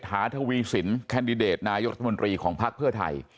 ฐาธวีสินแคนดิเดตนายศมนตรีของภาคเพื่อไทย